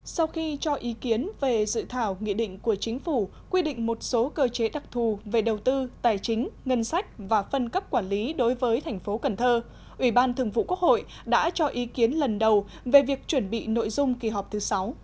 sau khi cho ý kiến về dự thảo nghị định của chính phủ quy định một số cơ chế đặc thù về đầu tư tài chính ngân sách và phân cấp quản lý đối với thành phố cần thơ ủy ban thường vụ quốc hội đã cho ý kiến lần đầu về việc chuẩn bị nội dung kỳ họp thứ sáu